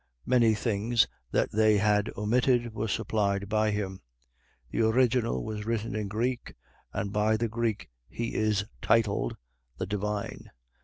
Many things that they had omitted were supplied by him. The original was written in Greek; and by the Greeks he is titled: The Divine.